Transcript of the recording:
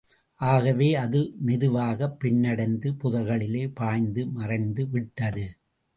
ஆகவே, அது மெதுவாகப் பின்னடைந்து புதர்களிலே பாய்ந்து மறைந்துவிட்டது.